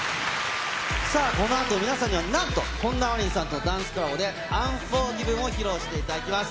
このあと皆さんにはなんと、本田真凜さんとダンスコラボでＵＮＦＯＲＧＩＶＥＮを披露していただきます。